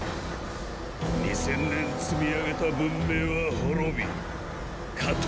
２０００年積み上げた文明は滅び下等